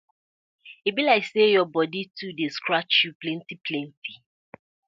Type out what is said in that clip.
E bi layk say yur bodi dey scratch yu too plenty plenty.